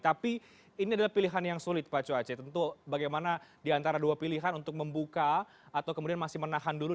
tapi ini adalah pilihan yang sulit pak coace tentu bagaimana diantara dua pilihan untuk membuka atau kemudian masih menahan dulu